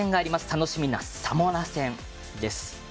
楽しみなサモア戦です。